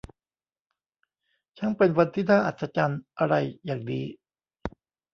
ช่างเป็นวันที่อัศจรรย์อะไรอย่างนี้